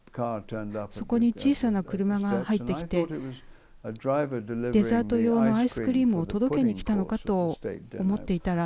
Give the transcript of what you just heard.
そこに小さな車が入ってきてデザート用のアイスクリームを届けに来たのかと思っていたら